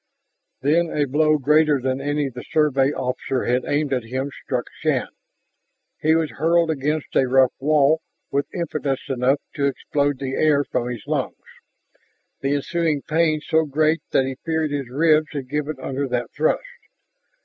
Then a blow greater than any the Survey officer had aimed at him struck Shann. He was hurled against a rough wall with impetus enough to explode the air from his lungs, the ensuing pain so great that he feared his ribs had given under that thrust.